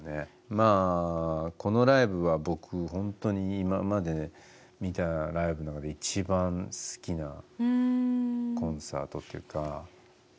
まあこのライブは僕ホントに今まで見たライブの中で一番好きなコンサートっていうか。